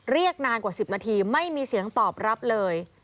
นานกว่า๑๐นาทีไม่มีเสียงตอบรับเลย